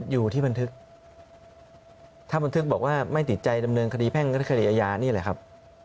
อยู่ที่บันทึกถ้าบันทึกบอกว่าไม่ติดใจดำเนินคดีแพ่งฤทธิคดีอาญานี่แหละครับ